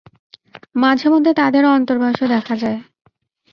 মাঝেমধ্যে তাদের অন্তর্বাসও দেখা যায়।